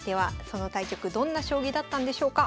その対局どんな将棋だったんでしょうか？